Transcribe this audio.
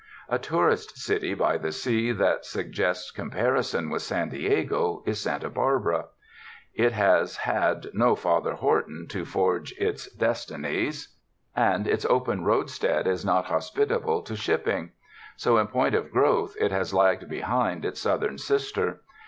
A tourist city by the sea that suggests compari son with San Diego is Santa Barl)ara. It has had no Father Horton to forge its destinies, and its 208 n o TOURIST TOWNS open roadstead is not liospitable to shipping; so, in point of growth, it has lagged behind its southern sister.